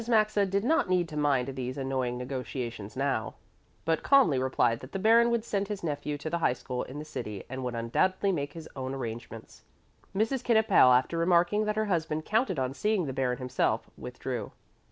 Maxa did not need to mind these annoying negotiations now, but calmly replied that the Baron would send his nephew to the high school in the city and would undoubtedly make his own arrangements. Mrs. Knippel, after remarking that her husband counted on seeing the Baron himself, withdrew.